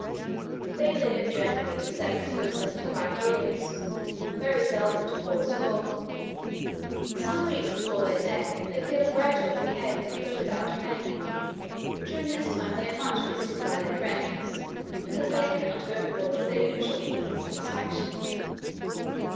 They live generally to seventy, or seventy five years, very seldom to fourscore. Some weeks before their death, they feel a gradual decay; but without pain. During this time they are much visited by their friends, because they cannot go abroad with their usual ease and satisfaction.